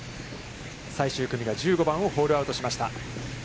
最終組が１５番をホールアウトしました。